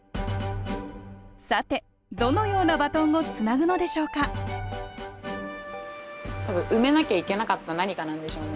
さてどのようなバトンをつなぐのでしょうか多分埋めなきゃいけなかった何かなんでしょうね。